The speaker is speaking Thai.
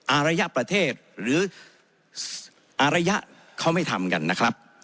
อารยะประเทศหรืออารยะเขาไม่ทำกันนะครับ